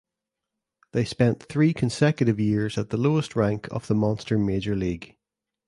They spent three consecutive years at the lowest rank of the Monster Major League.